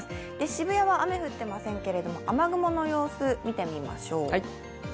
渋谷は雨降っていませんけれども雨雲の様子を見てみましょう。